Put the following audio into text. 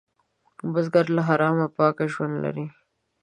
بزګر له حرامه پاک ژوند لري